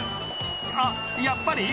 あっやっぱり？